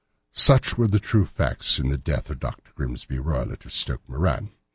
Such are the true facts of the death of Dr. Grimesby Roylott, of Stoke Moran.